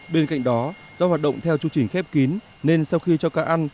bên cạnh đó do hoạt động theo chương trình khép kín nên sau khi cho cá ăn